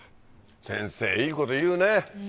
先生いいこと言うね。